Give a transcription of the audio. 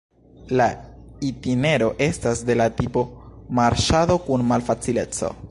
La itinero estas de la tipo marŝado kun malfacileco.